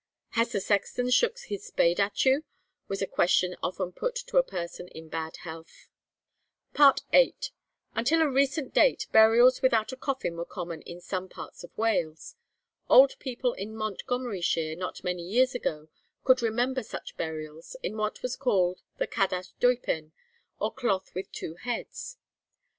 "Has the sexton shook his spade at you?" was a question often put to a person in bad health.' FOOTNOTES: 'Arch. Camb.,' 2nd Se., iv., 326. 'Bye gones,' Oct. 17, 1877. VIII. Until a recent date, burials without a coffin were common in some parts of Wales. Old people in Montgomeryshire not many years ago, could remember such burials, in what was called the cadach deupen, or cloth with two heads.